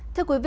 thưa quý vị